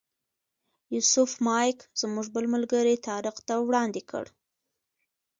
یوسف مایک زموږ بل ملګري طارق ته وړاندې کړ.